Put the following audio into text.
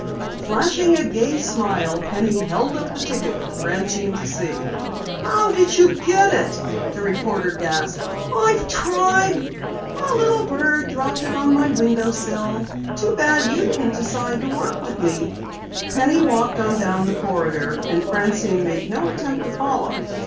Flashing a gay smile, Penny held up the ticket for Francine to see. "How did you get it?" the reporter gasped. "I've tried " "A little bird dropped it on my window sill. Too bad you didn't decide to work with me." Penny walked on down the corridor, and Francine made no attempt to follow.